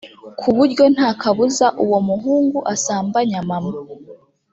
ku buryo nta kabuza uwo muhungu asambanya mama